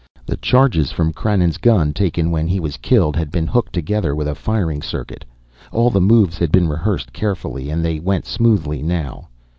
The charges from Krannon's gun, taken when he was killed, had been hooked together with a firing circuit. All the moves had been rehearsed carefully and they went smoothly now.